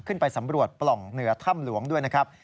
ขึ้นไปสำรวจปล่องเหนือถ้ำหลวงด้วยนะครับ